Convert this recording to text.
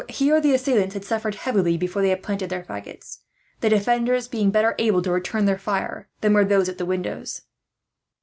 Here the assailants had suffered heavily, before they had planted their faggots; the defenders being better able to return their fire than were those at the windows.